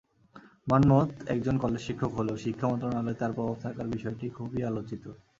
মন্মথ একজন কলেজশিক্ষক হলেও শিক্ষা মন্ত্রণালয়ে তাঁর প্রভাব থাকার বিষয়টি খুবই আলোচিত।